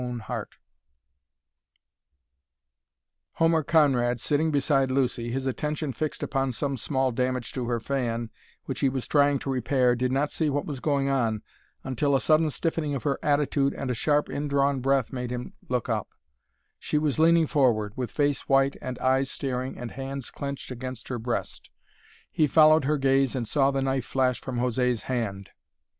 AND CURTIS SPRANG LIGHTLY ASIDE AS THE KNIFE STRUCK DEEP INTO THE TREE"] Homer Conrad, sitting beside Lucy, his attention fixed upon some small damage to her fan which he was trying to repair, did not see what was going on until a sudden stiffening of her attitude and a sharp, indrawn breath made him look up. She was leaning forward, with face white and eyes staring and hands clenched against her breast. He followed her gaze and saw the knife flash from José's hand.